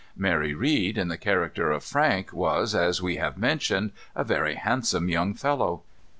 Mary Read, in the character of Frank, was, as we have mentioned, a very handsome young fellow.